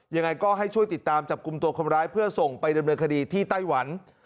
ยังไงก็ให้ช่วยติดตามจับกลุ่มตัวคนร้ายเพื่อส่งไปดำเนินคดีที่ไต้หวัน